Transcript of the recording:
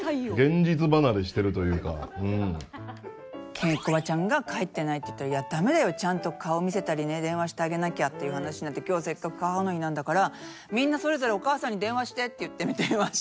ケンコバちゃんが「帰ってない」って言ったらいやダメだよちゃんと顔見せたりね電話してあげなきゃっていう話になって「今日はせっかく母の日なんだからみんなそれぞれお母さんに電話して」って言って電話して。